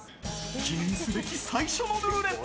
記念すべき最初のルーレット。